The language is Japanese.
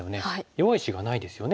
弱い石がないですよね。